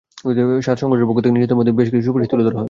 সাত সংগঠনের পক্ষ থেকে নির্যাতন বন্ধে বেশ কিছু সুপারিশ তুলে ধরা হয়।